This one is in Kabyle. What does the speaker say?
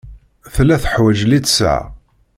Tella teḥwaj littseɛ.